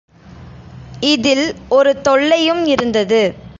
இதில் ஒரு தொல்லையும் இருந்தது.